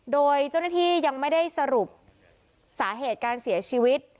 โดยเจ้าหน้าที่ยังไม่ได้สรุปสาเหตุการเสียชีวิต